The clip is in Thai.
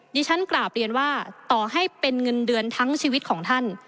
ฉันกราบเรียนว่าต่อให้เป็นเงินเดือนทั้งชีวิตของท่าน